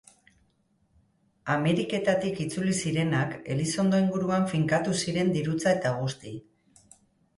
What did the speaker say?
Ameriketatik itzuli zirenak Elizondo inguruan finkatu ziren dirutza eta guzti.